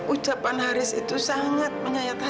ucapan haris itu sangat menyayatkan